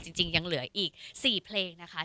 จริงยังเหลืออีก๔เพลงนะคะ